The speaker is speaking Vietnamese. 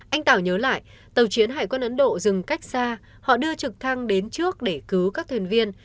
anh tảo nhớ lại tàu chiến hải quân ấn độ dừng cách xa họ đưa trực thăng đến trước để cứu các thuyền viên